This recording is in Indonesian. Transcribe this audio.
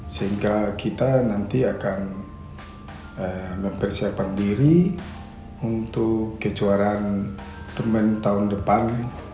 sehingga kita nanti akan mempersiapkan diri untuk kejuaraan temen tahun depan dua ribu dua puluh dua